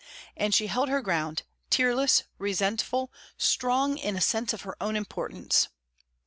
And she held her ground, tearless, resentful, strong in a sense of her own importance.